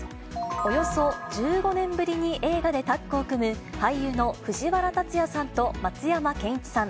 およそ１５年ぶりに映画でタッグを組む俳優の藤原竜也さんと松山ケンイチさん。